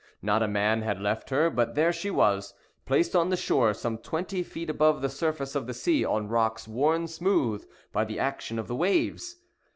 Not a man had left her; but there she was, placed on the shore, some twenty feet above the surface of the sea, on rocks worn smooth by the action of the waves!